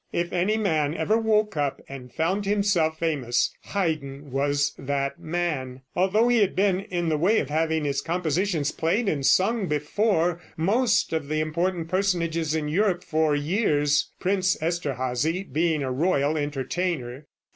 If any man ever woke up and found himself famous, Haydn was that man, although he had been in the way of having his compositions played and sung before most of the important personages in Europe for years, Prince Esterhazy being a royal entertainer.